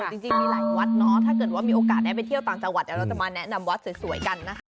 จริงมีหลายวัดเนาะถ้าเกิดว่ามีโอกาสได้ไปเที่ยวต่างจังหวัดเดี๋ยวเราจะมาแนะนำวัดสวยกันนะคะ